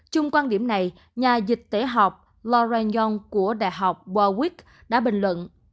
trong quan điểm này nhà dịch tế học laurent young của đại học berwick đã bình luận